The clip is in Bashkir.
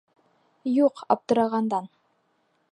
Юҡ, аптырағандан...